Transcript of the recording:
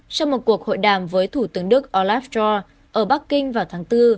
trong một cuộc hội đàm với thủ tướng đức olaf schor ở bắc kinh vào tháng bốn